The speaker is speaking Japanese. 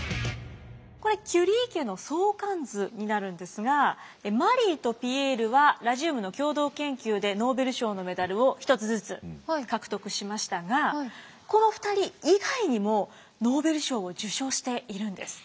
これキュリー家の相関図になるんですがマリーとピエールはラジウムの共同研究でノーベル賞のメダルを１つずつ獲得しましたがこの２人以外にもノーベル賞を受賞しているんです。